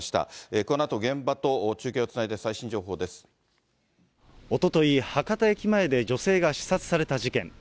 このあと現場と中継をつないで、おととい、博多駅前で女性が刺殺された事件。